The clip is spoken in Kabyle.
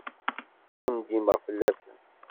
Ur ndimeɣ fell-asen.